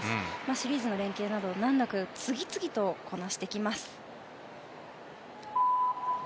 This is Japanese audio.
シリーズの連係などを難なく、次々とこなしてきます。